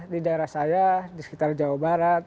di daerah saya di sekitar jawa barat